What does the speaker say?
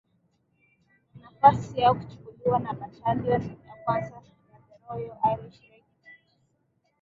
na nafasi yao kuchukuliwa na batalioni ya kwanza ya The Royal Irish Regiment